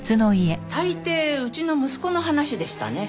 大抵うちの息子の話でしたね。